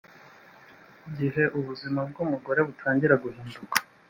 gihe ubuzima bw umugore butangira guhinduka